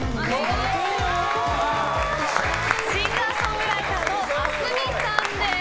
シンガーソングライターのａｓｍｉさんです。